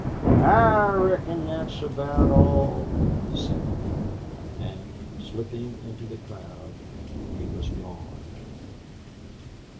"I reckon thet's aboot all," he said, and, slipping into the crowd, he was gone.